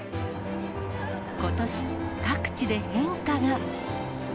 ことし、各地で変化が。